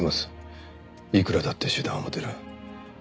いくらだって手段を持ってる。